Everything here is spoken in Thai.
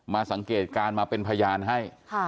สังเกตการณ์มาเป็นพยานให้